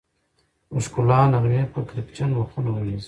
د ښکلا نغمې به کرکجن مخونه ومينځي